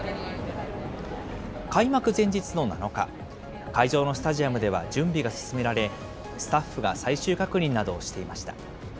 開幕前日の７日、会場のスタジアムでは準備が進められ、スタッフが最終確認などをしていました。